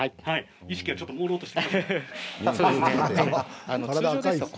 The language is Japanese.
意識がもうろうとしてきました。